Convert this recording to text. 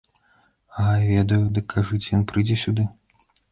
Ага, ведаю, дык, кажаце, ён прыйдзе сюды?